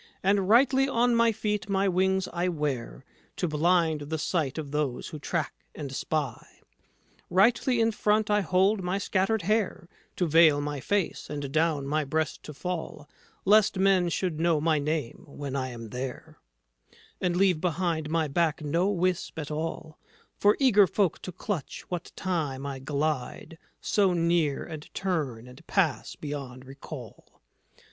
And rightly on my feet my wings I wear, To blind the sight of those who track and spy; Rightly in front I hold my scattered hair To veil my face, and down my breast to fall, Lest men should know my name when I am there; And leave behind my back no wisp at all For eager folk to clutch, what time I glide So near, and turn, and pass beyond recall."